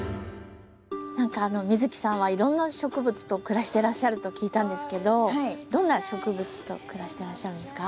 何か美月さんはいろんな植物と暮らしてらっしゃると聞いたんですけどどんな植物と暮らしてらっしゃるんですか？